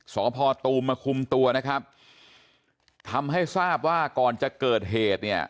สพตูมมาคุมตัวนะครับทำให้ทราบว่าก่อนจะเกิดเหตุเนี่ย